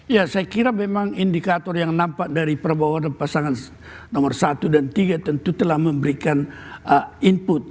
ya saya kira memang indikator yang nampak dari prabowo adalah pasangan nomor satu dan tiga tentu telah memberikan input